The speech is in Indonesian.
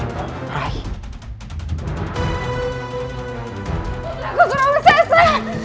putraku surawi sese